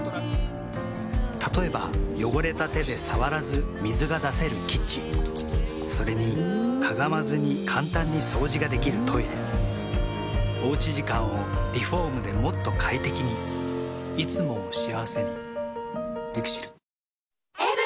例えば汚れた手で触らず水が出せるキッチンそれにかがまずに簡単に掃除ができるトイレおうち時間をリフォームでもっと快適にいつもを幸せにＬＩＸＩＬ。